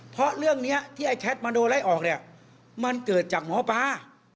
เพราะเรื่องนี้ที่ไอ้แคทมโนไล่ออกเนี่ยมันเกิดจากหมอปลา